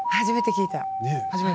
初めて聞いた。